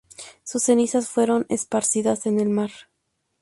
Sus cenizas fueron esparcidas en el mar.